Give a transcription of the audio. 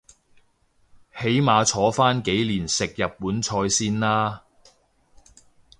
起碼坐返幾年食日本菜先啦